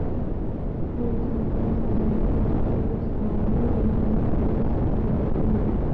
خو ده خپلې سوداګریزې چارې د سټارلېنک انټرنېټ په مرسته پر مخ وړلې.